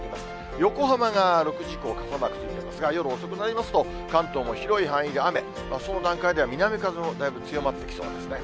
横浜が６時以降、傘マークついてますが、夜遅くなりますと、関東も広い範囲で雨、その段階では南風もだいぶ強まってきそうですね。